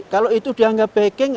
kalau itu dia tidak backing